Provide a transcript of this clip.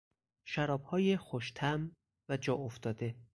شرابهای خوش طعم و جاافتاده